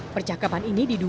percakapan ini diduga